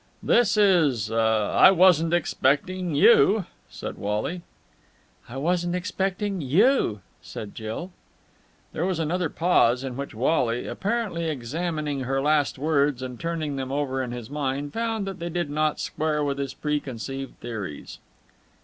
"This is.... I wasn't expecting you!" said Wally. "I wasn't expecting you!" said Jill. There was another pause, in which Wally, apparently examining her last words and turning them over in his mind, found that they did not square with his preconceived theories.